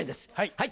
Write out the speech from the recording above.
はい。